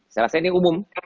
secara saya ini umum